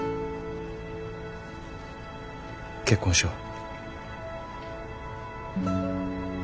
結婚しよう。